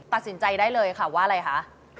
ตัดสินใจได้เลยค่ะว่าอะไรคะ